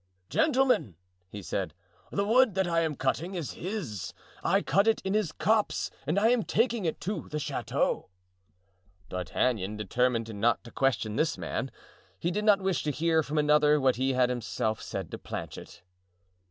"Gentlemen," he said, "the wood that I am carting is his; I cut it in his copse and I am taking it to the chateau." D'Artagnan determined not to question this man; he did not wish to hear from another what he had himself said to Planchet.